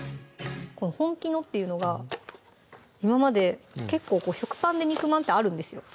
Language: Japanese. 「本気の」っていうのが今まで結構食パンで肉まんってあるんですよ